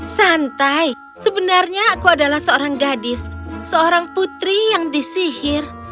santai sebenarnya aku adalah seorang gadis seorang putri yang disihir